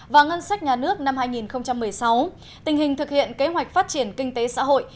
và ngân sách nhà nước năm hai nghìn một mươi sáu tình hình thực hiện kế hoạch phát triển kinh tế xã hội